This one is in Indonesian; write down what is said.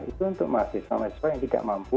itu untuk mahasiswa mahasiswa yang tidak mampu